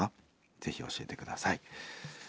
ぜひ教えて下さい。